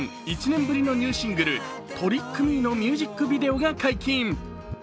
１年ぶりのニューシングル「Ｔｒｉｃｋｍｅ」のミュージックビデオが解禁。